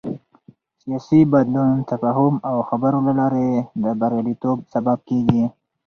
سیاسي بدلون د تفاهم او خبرو له لارې د بریالیتوب سبب کېږي